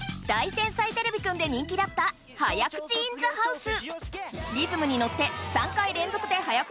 天才てれびくん」で人気だった「早口インザハウス」！